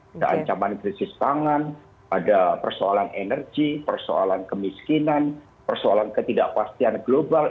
ada ancaman krisis pangan ada persoalan energi persoalan kemiskinan persoalan ketidakpastian global